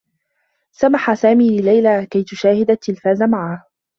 سمح سامي لليلى كي تشاهد التّلفاز معه.